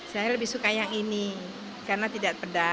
saya lebih suka yang ini karena tidak pedas